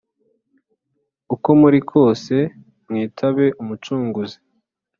Uko muri kose mwitabe umucunguzi